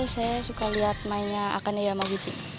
saya suka lihat mainnya akane yamaguchi